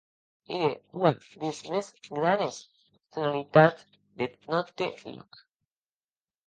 Ère ua des mès granes personalitats deth nòste lòc.